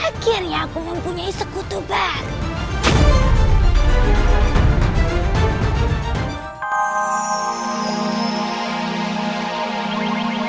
akhirnya aku mempunyai sekutu baru